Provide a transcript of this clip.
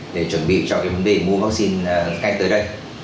để chuẩn bị cho cái vấn đề mua vaccine tới đây